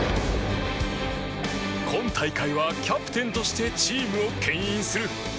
今大会はキャプテンとしてチームを牽引する。